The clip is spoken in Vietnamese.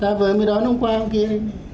ta vừa mới đón hôm qua hôm kia